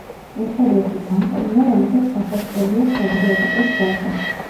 ერთადერთი კანტონია, რომელსაც გასასვლელი აქვს ადრიატიკის ზღვაზე.